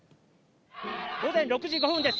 午前６時５分です。